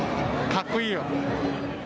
かっこいいよ！